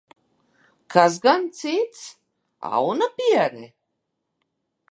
Kas gan cits, aunapiere?